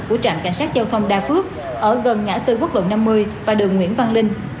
của trạm cảnh sát giao thông đa phước ở gần ngã tư quốc lộ năm mươi và đường nguyễn văn linh